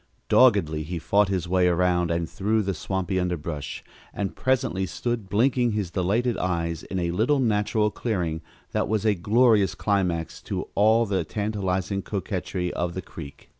Doggedly he fought his way around and through the swampy underbrush and presently stood blinking his delighted eyes in a little natural clearing that was a glorious climax to all the tantalizing coquetry of the creek.